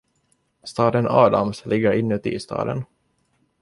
Staden Adams ligger inuti staden.